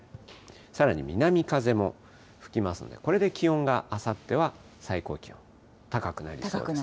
さらに南風も吹きますので、これで気温があさっては最高気温、高くなりそうです。